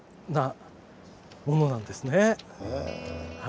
へえ！